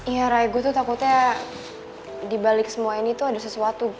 ya ragu tuh takutnya dibalik semua ini tuh ada sesuatu